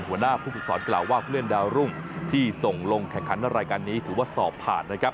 หัวหน้าผู้ฝึกสอนกล่าวว่าผู้เล่นดาวรุ่งที่ส่งลงแข่งขันรายการนี้ถือว่าสอบผ่านนะครับ